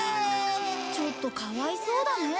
ちょっとかわいそうだね。